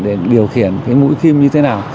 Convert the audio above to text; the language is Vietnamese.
để điều khiển cái mũi kim như thế nào